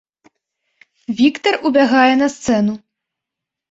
Віктар убягае на сцэну.